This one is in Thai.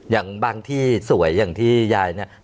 อย่างบางที่สวยอย่างที่ยายเนี่ย